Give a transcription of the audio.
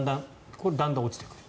だんだん落ちてくる。